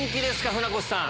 船越さん。